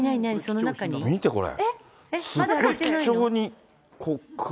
見てこれ。